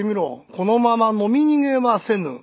このままのみ逃げませぬ。